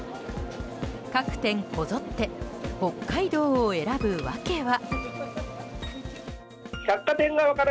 各店こぞって北海道を選ぶ訳は。